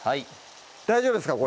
大丈夫ですか？